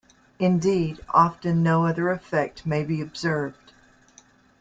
Indeed, often no other effect may be observed.